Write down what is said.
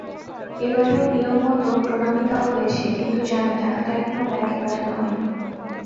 এবারেও নিয়মমত প্রণামী দেওয়া হয়েছে, কিন্তু জানি টাকাটা এখনো ব্যাঙ্কে পাঠানো হয় নি।